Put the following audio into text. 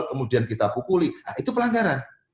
kemudian kita pukuli nah itu pelanggaran